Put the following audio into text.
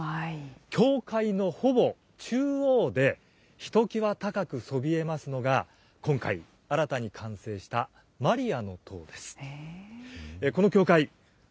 教会のほぼ中央で、ひときわ高くそびえますのが、今回、新たに完成したマリアの塔です。